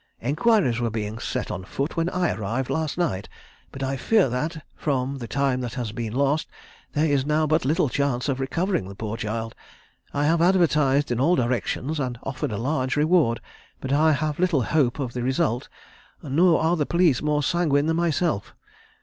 Enquiries were being set on foot when I arrived last night, but I fear that, from the time that has been lost, there is now but little chance of recovering the poor child. I have advertised in all directions, and offered a large reward, but I have little hope of the result, nor are the police more sanguine than myself.